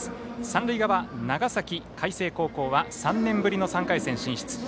三塁側、長崎、海星高校は３年ぶりの３回戦進出。